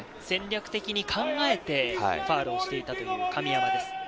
戦略的に考えてファウルをしていったという神山です。